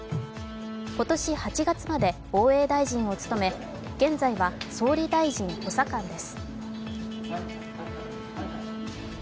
今年８月まで防衛大臣を務め、現在は、総理大臣補佐官です。